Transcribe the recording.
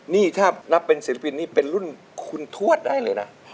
นี่ถ้านับเป็นศิลปินนี่เป็นรุ่นคุณทวดได้เลยนะ